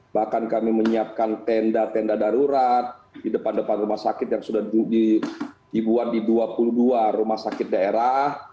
bahkan kami menyiapkan tenda tenda darurat di depan depan rumah sakit yang sudah dibuat di dua puluh dua rumah sakit daerah